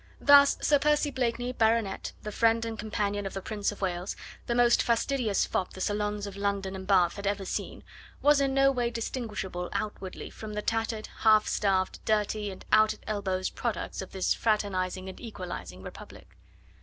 Thus, Sir Percy Blakeney, Bart., the friend and companion of the Prince of Wales, the most fastidious fop the salons of London and Bath had ever seen, was in no way distinguishable outwardly from the tattered, half starved, dirty, and out at elbows products of this fraternising and equalising Republic.